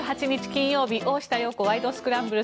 金曜日「大下容子ワイド！スクランブル」。